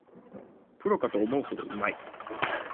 プロかと思うほどうまい